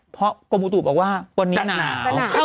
เพราะกรมอุตุบอกว่าวันนี้จะหนาว